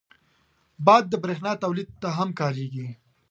باد د بریښنا تولید ته هم کارېږي